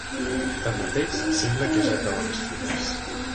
Tan mateix, sembla que ja cauen les fulles.